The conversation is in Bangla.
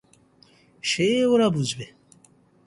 সে ওরা বুঝবে।